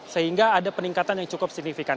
sehingga ada peningkatan yang cukup signifikan